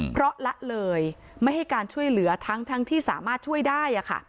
เพราะละเลยไม่ให้การช่วยเหลือทั้งที่สามารถช่วยได้